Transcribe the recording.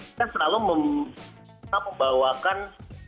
kita selalu membawakan